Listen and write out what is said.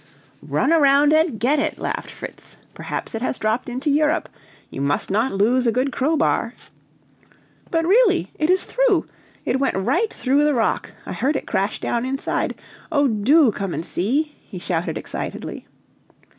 "Run around and get it," laughed Fritz; "perhaps it has dropped into Europe you must not lose a good crowbar." "But, really, it is through; it went right through the rock; I heard it crash down inside. Oh, do come and see!" he shouted excitedly.